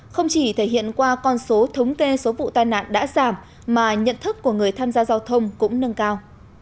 không chỉ thể hiện qua con số thống kê số vụ tai nạn đã giảm mà nhận thức của người tham gia giao thông cũng nâng cao